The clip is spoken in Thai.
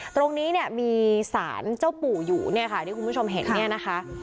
ตรงนี้เนี่ยมีสารเจ้าปู่อยู่เนี่ยค่ะที่คุณผู้ชมเห็นเนี่ยนะคะ